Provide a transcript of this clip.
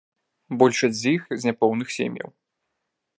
Большасць з іх з няпоўных сем'яў.